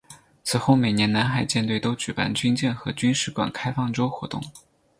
此后每年南海舰队都举办军舰和军史馆开放周活动。